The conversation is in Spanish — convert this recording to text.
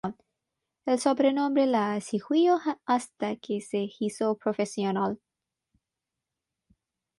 El sobrenombre la siguió hasta que se hizo profesional.